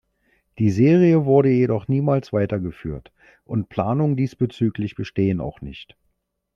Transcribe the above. Die Serie wurde jedoch niemals weitergeführt, und Planungen diesbezüglich bestehen auch nicht.